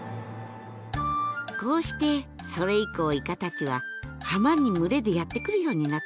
こうしてそれ以降イカたちは浜に群れでやって来るようになったとさ。